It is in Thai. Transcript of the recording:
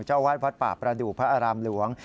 เจ้าวาดวัดป่าประดูกพระอารามหลวง